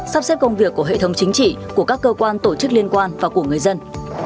sắp xếp công việc của hệ thống chính trị của các cơ quan tổ chức liên quan và của người dân